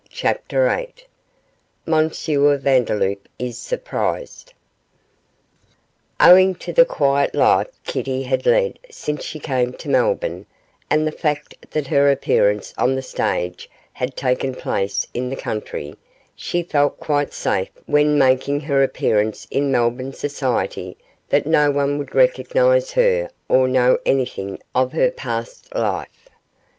CHAPTER VIII M. VANDELOUP IS SURPRISED Owing to the quiet life Kitty had led since she came to Melbourne, and the fact that her appearance on the stage had taken place in the country, she felt quite safe when making her appearance in Melbourne society that no one would recognise her or know anything of her past life.